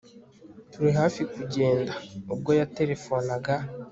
Turi hafi kugenda ubwo yaterefonaga